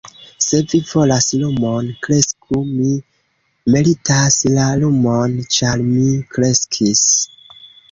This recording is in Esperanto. "Se vi volas lumon, kresku. Mi meritas la lumon, ĉar mi kreskis."